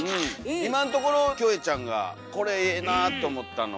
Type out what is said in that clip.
今んところキョエちゃんがこれええなと思ったのは？